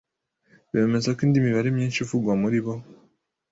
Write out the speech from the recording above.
bemeza ko indi mibare myinshi ivugwa muri bo